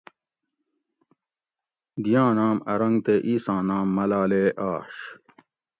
دیاں نام ارنگ تے ایساں نام ملالے آش